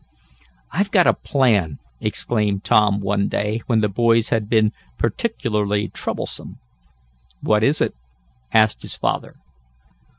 "I've got a plan!" exclaimed Tom one day when the boys had been particularly troublesome. "What is it?" asked his father.